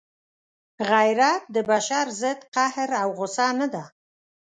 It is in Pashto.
غیرت د بشر ضد قهر او غصه نه ده.